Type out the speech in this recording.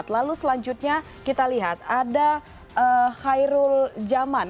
lalu selanjutnya kita lihat ada khairul jaman